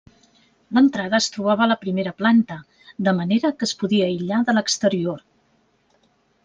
L'entrada es trobava a la primera planta, de manera que es podia aïllar de l'exterior.